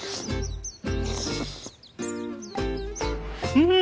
うん！